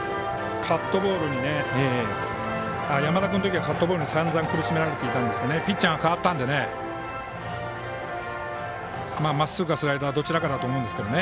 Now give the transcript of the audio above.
山田君のときはカットボールに散々苦しめられていたんでピッチャーが代わったのでまっすぐかスライダーどちらかだと思うんですけどね。